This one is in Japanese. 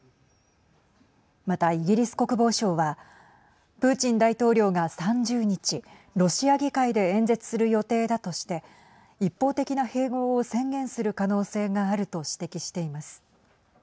また、イギリス国防省はプーチン大統領が３０日ロシア議会で演説する予定だとして一方的な併合を宣言する可能性があると指摘しています。